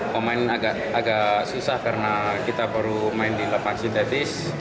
pemain agak susah karena kita baru main di lapangan sintetis